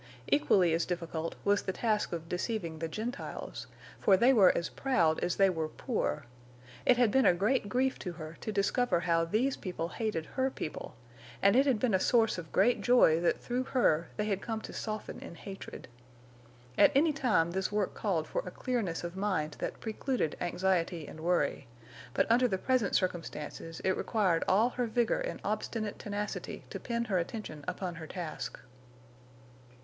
Equally as difficult was the task of deceiving the Gentiles, for they were as proud as they were poor. It had been a great grief to her to discover how these people hated her people; and it had been a source of great joy that through her they had come to soften in hatred. At any time this work called for a clearness of mind that precluded anxiety and worry; but under the present circumstances it required all her vigor and obstinate tenacity to pin her attention upon her task.